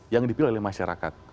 yang dipilih oleh masyarakat